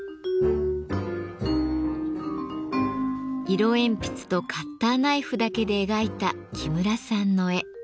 色鉛筆とカッターナイフだけで描いた木村さんの絵。